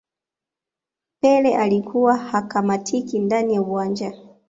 pele alikuwa hakamatiki ndani ya uwanja